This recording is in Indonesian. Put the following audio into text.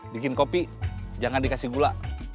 bikin kopi jangan dikasih gula